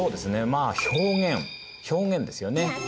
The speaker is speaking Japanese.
まあ「表現」ですよね。